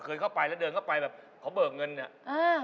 เคยเข้าไปแล้วเดินเข้าไปแบบเขาเบิกเงินเนี่ยอ่า